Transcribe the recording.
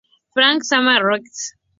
Fan-sama Request!!!